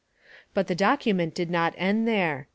But the document did not end there.